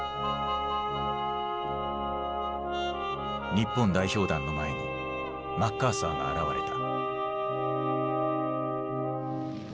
日本代表団の前にマッカーサーが現れた。